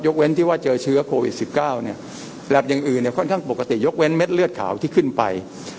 เว้นที่ว่าเจอเชื้อโควิด๑๙เนี่ยแล็บอย่างอื่นเนี่ยค่อนข้างปกติยกเว้นเม็ดเลือดขาวที่ขึ้นไป